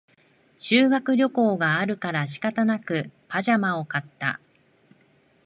修学旅行があるから仕方なくパジャマを買った